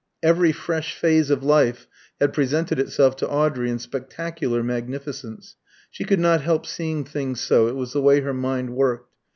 Every fresh phase of life had presented itself to Audrey in spectacular magnificence; she could not help seeing things so, it was the way her mind worked.